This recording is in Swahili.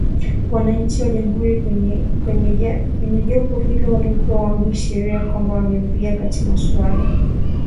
Wanachama wa Jamuhuri kwenye jopo hilo walikuwa wameashiria kwamba wangempinga katika masuala mbalimbali